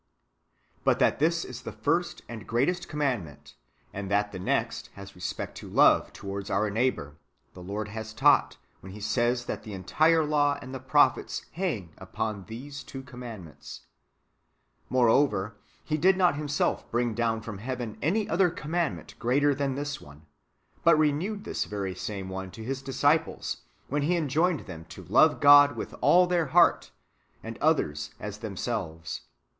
But that this is the first and greatest commandment, and that the next [has respect to love] towards our neigh bour, the Lord has taught, when He says that the entire law and the prophets hang upon these two commandments. More over, He did not Himself bring down [from heaven] any other commandment greater than this one, but renewed this very same one to His disciples, when He enjoined them to love God with all their heart, and others as themselves.